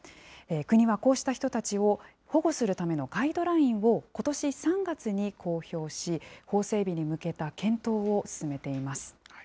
国はこうした人たちを保護するためのガイドラインを、ことし３月に公表し、法整備に向けた検討を進めています。